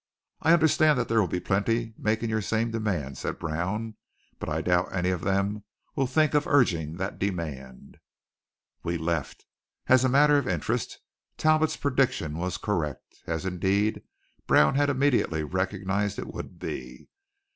"I understand that there will be plenty making your same demand," said Brown, "but I doubt any of them will think of urging that demand." We left. As a matter of interest, Talbot's prediction was correct; as, indeed, Brown had immediately recognized it would be.